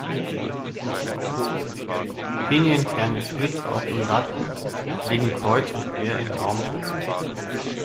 Pinienkerne, Schnittlauch und Datteln liegen kreuz und quer im Raum verteilt.